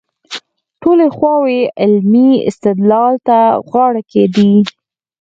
ټولې خواوې علمي استدلال ته غاړه کېږدي.